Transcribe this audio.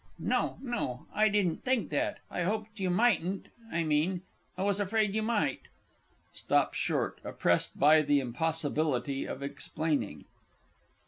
No, no, I didn't think that I hoped you mightn't I mean, I was afraid you might [_Stops short, oppressed by the impossibility of explaining.